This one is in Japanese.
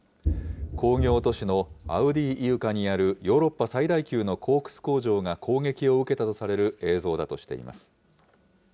工業都市のアウディーイウカにあるヨーロッパ最大級のコークス工場が攻撃を受けたとされる映像だとしています。